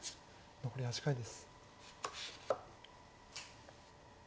残り８回です。